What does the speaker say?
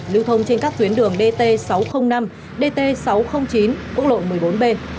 lưu thông trên các tuyến đường dt sáu trăm linh năm dt sáu trăm linh chín quốc lộ một mươi bốn b